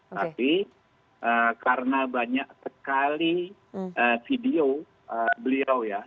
tapi karena banyak sekali video beliau ya